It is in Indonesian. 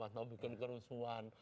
atau bikin kerusuhan